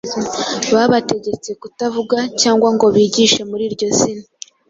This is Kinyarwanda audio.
babategetse kutavuga cyangwa ngo bigishe muri iryo zina.